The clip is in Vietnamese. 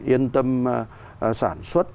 yên tâm sản xuất